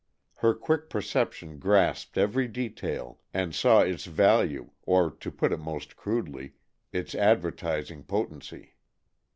Her quick perception grasped every detail and saw its value or, to put it most crudely, its advertising potency.